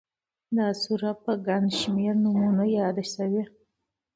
دا سوره په گڼ شمېر نومونو ياده شوې